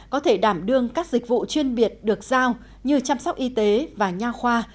có thể đảm đương các dịch vụ chuyên biệt được giao như chăm sóc y tế và nha khoa